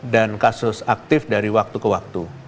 dan kasus aktif dari waktu ke waktu